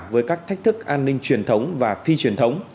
với các thách thức an ninh truyền thống và phi truyền thống